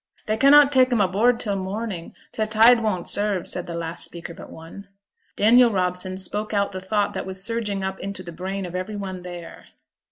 'They cannot tak' 'em aboard till morning; t' tide won't serve,' said the last speaker but one. Daniel Robson spoke out the thought that was surging up into the brain of every one there.